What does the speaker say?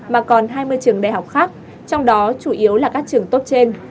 mà còn hai mươi trường đại học khác trong đó chủ yếu là các trường tốt trên